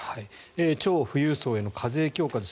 超富裕層への課税強化です。